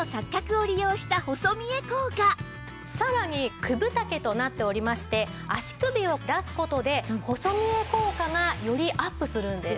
つまりさらに９分丈となっておりまして足首を出す事で細見え効果がよりアップするんです。